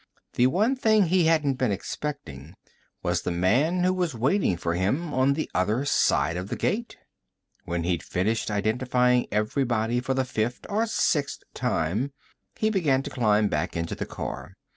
The one thing he hadn't been expecting was the man who was waiting for him on the other side of the gate. When he'd finished identifying everybody for the fifth or sixth time, he began to climb back into the car.